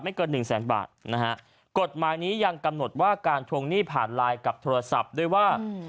เกินหนึ่งแสนบาทนะฮะกฎหมายนี้ยังกำหนดว่าการทวงหนี้ผ่านไลน์กับโทรศัพท์ด้วยว่า